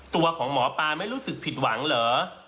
ตัวของหมอปลาไม่รู้สึกผิดหวังเหรอ